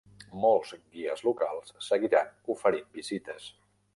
Molts guies locals seguiran oferint visites.